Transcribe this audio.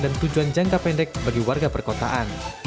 dan tujuan jangka pendek bagi warga perkotaan